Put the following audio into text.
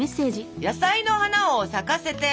「野菜の花を咲かせて」。